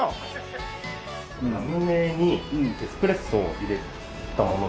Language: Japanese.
ラムネにエスプレッソを入れたものです。